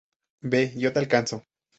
¡ Ve! ¡ yo te alcanzo!